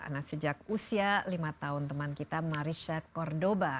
nah sejak usia lima tahun teman kita marisha kordoba